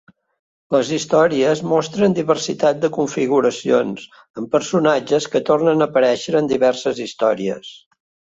Les històries mostren diversitat de configuracions, amb personatges que tornen a aparèixer en diverses històries.